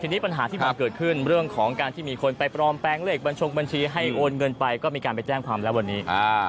ทีนี้ปัญหาที่มันเกิดขึ้นเรื่องของการที่มีคนไปปลอมแปลงเลขบัญชงบัญชีให้โอนเงินไปก็มีการไปแจ้งความแล้ววันนี้